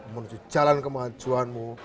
menuju jalan kemajuanmu